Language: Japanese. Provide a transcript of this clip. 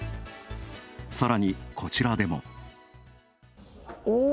さらに、こちらでも。